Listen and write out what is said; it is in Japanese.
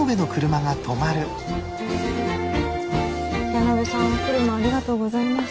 矢野部さんお車ありがとうございます。